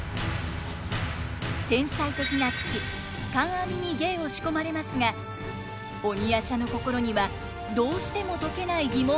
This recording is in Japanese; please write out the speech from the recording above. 天才的な父観阿弥に芸を仕込まれますが鬼夜叉の心にはどうしても解けない疑問が渦巻いています。